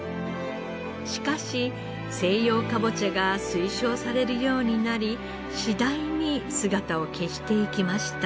しかし西洋かぼちゃが推奨されるようになり次第に姿を消していきました。